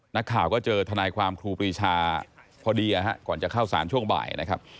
นักข่าวก็เจอทนายความครูปรีชาพอดีก่อนจะเข้าสารช่วงบ่ายนะครับ